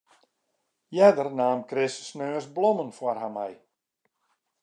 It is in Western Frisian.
Earder naam Chris sneons blommen foar har mei.